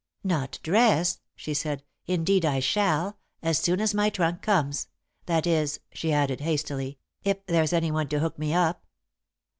"Not dress?" she said. "Indeed I shall, as soon as my trunk comes. That is," she added, hastily, "if there's anyone to hook me up."